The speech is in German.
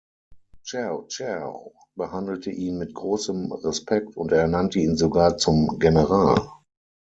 Cao Cao behandelte ihn mit großem Respekt und ernannte ihn sogar zum General.